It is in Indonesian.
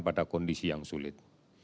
pada kondisi yang sulit